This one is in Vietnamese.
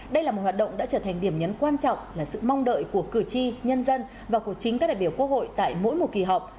đây là một hoạt động đã trở thành điểm nhấn quan trọng là sự mong đợi của cử tri nhân dân và của chính các đại biểu quốc hội tại mỗi một kỳ họp